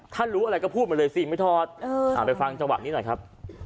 ถ้ารู้อะไรก็พูดมาเลยสิไม่ถอดไปฟังจังหวะนี้หน่อยครับ